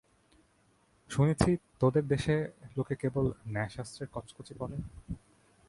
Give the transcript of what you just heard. শুনেছি, তোদের দেশে লোকে কেবল ন্যায়শাস্ত্রের কচকচি পড়ে।